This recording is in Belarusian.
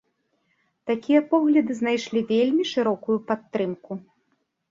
Такія погляды знайшлі вельмі шырокую падтрымку.